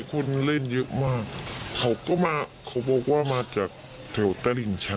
คนเล่นเย็นเช้า